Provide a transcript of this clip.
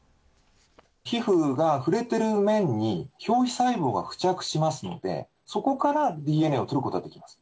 皮膚が触れてる面に、表皮細胞が付着しますので、そこからＤＮＡを採ることはできます。